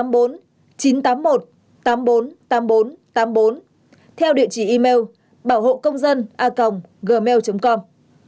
bảo hộ công dân a cộng gmail com